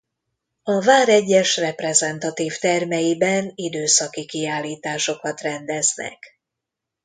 A vár egyes reprezentatív termeiben időszaki kiállításokat rendeznek.